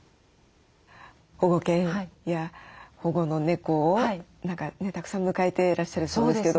保護犬や保護の猫をたくさん迎えてらっしゃると思うんですけど。